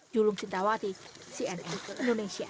julung sintawati cnn indonesia